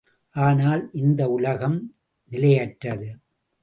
ஆனால் இந்த உலகம் நிலையற்றது.